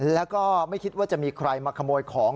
แล้วก็ไม่คิดว่าจะมีใครมาขโมยของ